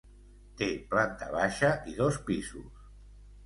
Té planta baixa i dos pisos.